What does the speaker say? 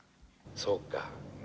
そうか。